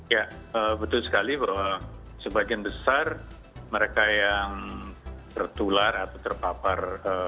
ya betul sekali bahwa sebagian besar mereka yang tertular atau terpapar